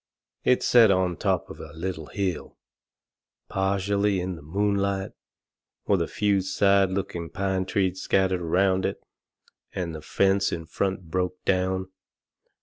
It set on top of a little hill, partially in the moonlight, with a few sad looking pine trees scattered around it, and the fence in front broke down.